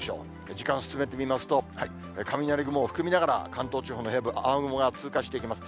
時間進めてみますと、雷雲を含みながら、関東地方の平野部、雨雲が通過していきます。